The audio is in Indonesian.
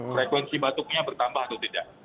frekuensi batuknya bertambah atau tidak